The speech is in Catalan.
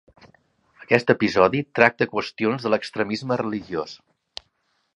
Aquest episodi tracta qüestions de l'extremisme religiós.